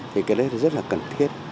thì cái đấy rất là cần thiết